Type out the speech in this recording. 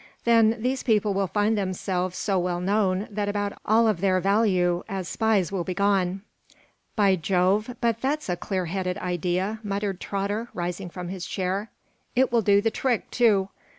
Then these people will find themselves so well known that about all of them value as spies will be gone." "By Jove, but that's a clear headed idea," muttered Trotter, rising from his chair. "It will do the trick, too.